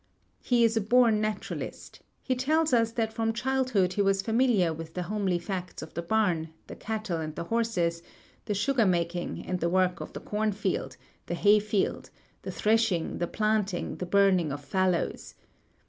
He is a born naturalist. He tells us that from childhood he was familiar with the homely facts of the barn, the cattle and the horses, the sugar making and the work of the corn field, the hay field, the threshing, the planting, the burning of fallows.